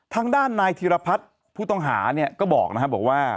ทางด้านนายธีรพัฒน์ผู้ต้องหาเนี่ยก็บอกนะครับบอกว่า